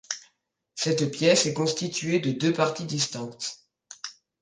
Cette pièce est constituée de deux parties distinctes.